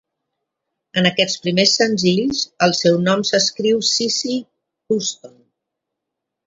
En aquests primers senzills, el seu nom s"escriu Sissie Houston.